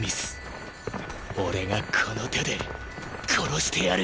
俺がこの手で殺してやる！